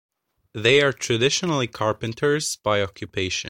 They are traditionally carpenters by occupation.